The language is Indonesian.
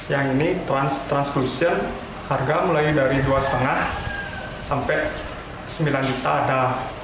yang ini transclusion harga mulai dari dua lima sampai sembilan juta ada